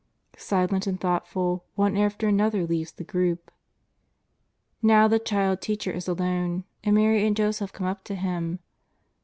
Si lent and thoughtful, one after another leaves the group. l^ow the Child Teacher is alone, and Mary and Jo seph come up to Him.